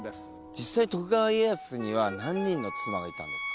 実際徳川家康には何人の妻がいたんですか？